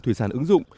thủy sản ứng dụng